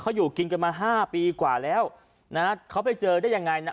เขาอยู่กินกันมา๕ปีกว่าแล้วนะเขาไปเจอได้ยังไงนะ